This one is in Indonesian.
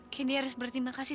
kendi harus berterima kasih